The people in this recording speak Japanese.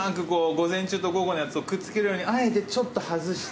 午前中と午後のやつをくっつけるよりあえてちょっと外して。